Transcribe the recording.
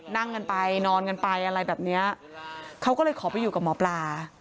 นั่งกันไปนอนกันไปอะไรแบบเนี้ยเขาก็เลยขอไปอยู่กับหมอปลา